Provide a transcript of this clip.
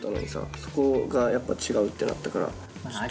そこが違うってなったから。